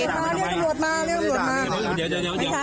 เรียกกับรวดมาเรียกกับรวดมา